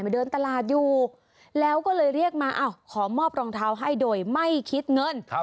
เดินตลาดอยู่แล้วก็เลยเรียกมาขอมอบรองเท้าให้โดยไม่คิดเงิน